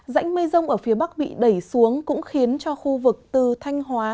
dãnh mây rông ở phía bắc bị đẩy xuống cũng khiến cho khu vực từ thanh hóa